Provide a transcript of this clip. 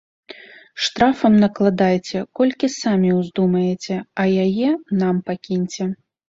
Штрафам накладайце, колькі самі ўздумаеце, а яе нам пакіньце.